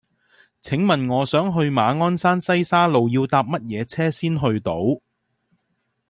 請問我想去馬鞍山西沙路要搭乜嘢車先去到